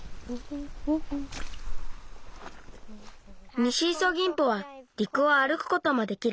ニシイソギンポはりくをあるくこともできる。